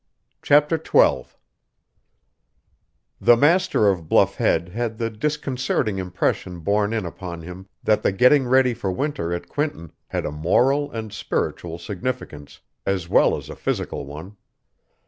CHAPTER XII The master of Bluff Head had the disconcerting impression borne in upon him that the getting ready for winter at Quinton had a moral and spiritual significance, as well as a physical one.